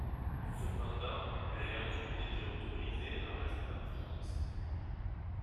Cependant, elle est ensuite été autorisée à rester en France.